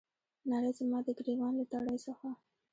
نړۍ زما د ګریوان له تڼۍ څخه